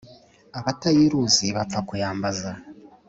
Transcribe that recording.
abatayiruzi bapfa kuyambaza.